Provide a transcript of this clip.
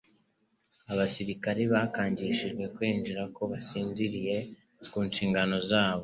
Abasirikari bakangishijwe kwishinja ko basinziriye ku nshingano zabo.